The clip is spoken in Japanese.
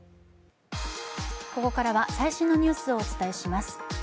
ここからは最新のニュースをお伝えします。